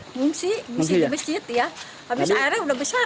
mengungsi di masjid ya habis airnya sudah besar